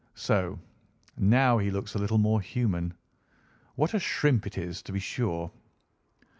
So! Now he looks a little more human. What a shrimp it is, to be sure!"